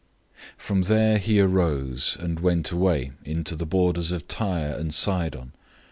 007:024 From there he arose, and went away into the borders of Tyre and Sidon.